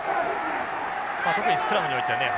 特にスクラムにおいてはね。